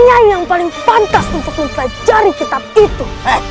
hanya yang paling pantas untuk mempelajari kitab itu